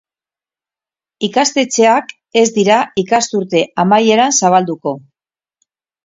Ikastetxeak ez dira ikasturte amaieran zabalduko.